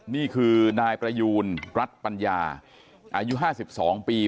นี่คือนายประยูนรัฐปัญญาอายุ๕๒ปี